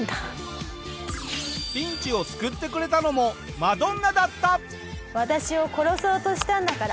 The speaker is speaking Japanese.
ピンチを救ってくれたのもマドンナだった！